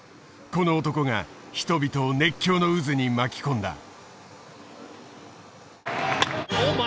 この男が人々を熱狂の渦に巻き込んだ。